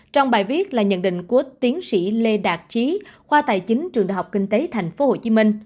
trong bài viết là nhận định của tiến sĩ lê đạt trí khoa tài chính trường đại học kinh tế tp hcm